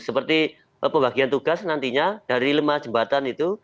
seperti pembagian tugas nantinya dari lemah jembatan itu